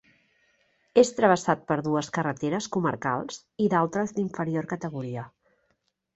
És travessat per dues carreteres comarcals i d'altres d'inferior categoria.